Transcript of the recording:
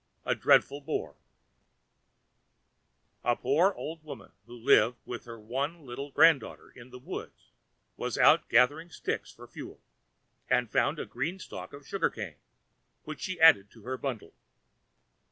A Dreadful Boar A poor old woman who lived with her one little granddaughter in a wood was out gathering sticks for fuel, and found a green stalk of sugar cane, which she added to her bundle.